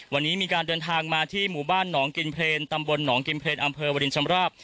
วันนี้มีการเดินทางมาที่หมู่บ้านหนองกินเพลนตำบลหนองกินเพลนอำเภอวรินชำราบ